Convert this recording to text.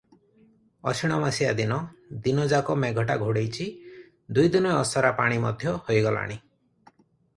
ଅଶିଣମାସିଆ ଦିନ, ଦିନ ଯାକ ମେଘଟା ଘୋଡେଇଛି, ଦୁଇ ଦିନ ଅସରା ପାଣି ମଧ୍ୟ ହୋଇଗଲାଣି ।